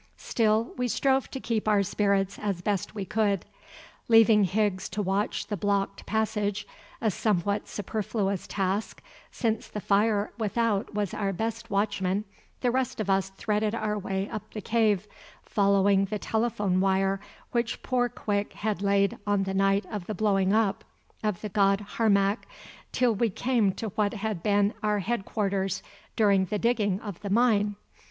Still we strove to keep our spirits as best we could. Leaving Higgs to watch the blocked passage, a somewhat superfluous task, since the fire without was our best watchman, the rest of us threaded our way up the cave, following the telephone wire which poor Quick had laid on the night of the blowing up of the god Harmac, till we came to what had been our headquarters during the digging of the mine.